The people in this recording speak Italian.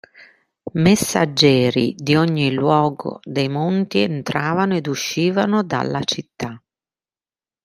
Messaggeri di ogni luogo dei monti entravano ed uscivano dalla città.